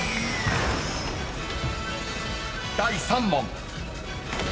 ［第３問］